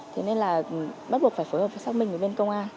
thế nên là bắt buộc phải phối hợp với xác minh với bên công an